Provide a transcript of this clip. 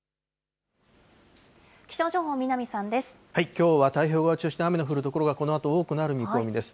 きょうは太平洋側を中心に雨の降る所がこのあと多くなる見込みです。